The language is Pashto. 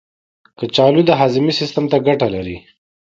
کچالو د هاضمې سیستم ته ګټه لري.